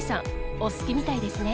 お好きみたいですね。